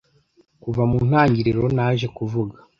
Kuva mu ntangiriro. Naje kuvuga